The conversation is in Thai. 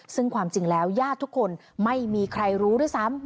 ซึ่งความจริงแล้วญาติทุกคนไม่มีใครรู้ด้วยซ้ำ